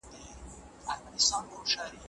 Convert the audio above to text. ایا هغوی د خپلو پلانونو په اړه ږغږېږي؟